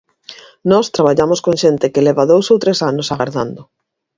Nós traballamos con xente que leva dous ou tres anos agardando.